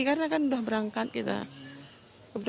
karena kan udah berangkat gitu